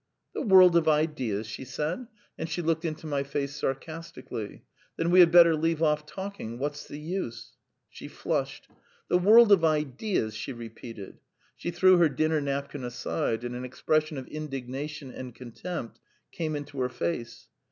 "The world of ideas!" she said, and she looked into my face sarcastically. "Then we had better leave off talking. What's the use? ..." She flushed. "The world of ideas!" she repeated. She threw her dinner napkin aside, and an expression of indignation and contempt came into her face.